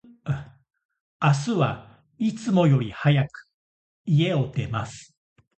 明日は、いつもより早く、家を出ます。